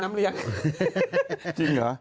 จริงเหรอ